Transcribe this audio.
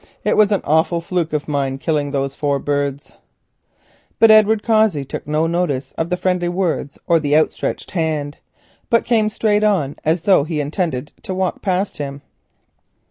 It was an awful fluke of mine killing those four birds." Edward Cossey took no notice of the friendly words or outstretched hand, but came straight on as though he intended to walk past him.